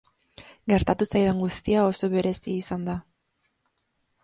Gertatu zaidan guztia oso berezia izan da.